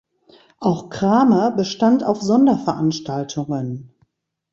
Auch Kramer bestand auf Sonderveranstaltungen.